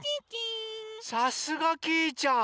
さすがきいちゃん！